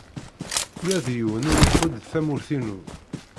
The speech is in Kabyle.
Ula d yiwen ur iḥudd tamurt-inu.